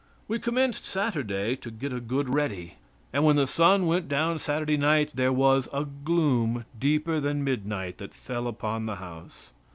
We commenced Saturday to get a good ready. And when the sun went down Saturday night there was a gloom deeper than midnight that fell upon the house.